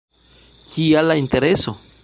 Kial la Intereso?